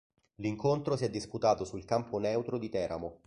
L'incontro si è disputato sul campo neutro di Teramo.